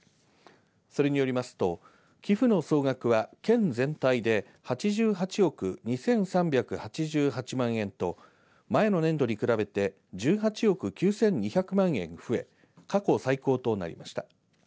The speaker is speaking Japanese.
それによりますと寄付の総額は県全体で８８億２３８８万円と前の年度に比べて１８億９２００万円増え過去最高となりました。